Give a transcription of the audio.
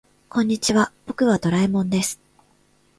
こんにちは、僕はドラえもんです。